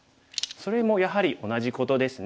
それもやはり同じことですね。